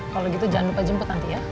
kalau gitu jangan lupa jemput nanti ya